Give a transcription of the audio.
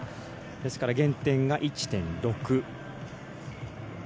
ですから、減点が１．６。